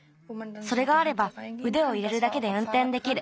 それがあればうでを入れるだけでうんてんできる。